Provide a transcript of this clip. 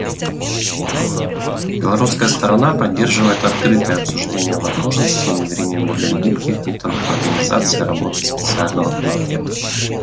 Белорусская сторона поддерживает открытое обсуждение возможности внедрения более гибких методов организации работы Специального комитета.